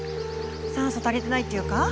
酸素足りてないっていうか。